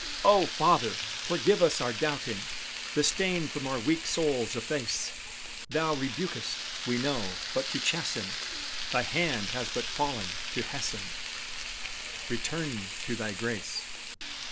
O Father! forgive us our doubting; The stain from our weak souls efface; Thou rebukest, we know, but to chasten, Thy hand has but fallen to hasten Return to Thy grace.